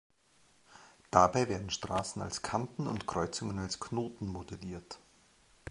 Dabei werden Straßen als Kanten und Kreuzungen als Knoten modelliert.